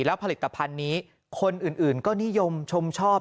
แล้วผลิตภัณฑ์นี้คนอื่นก็นิยมชมชอบ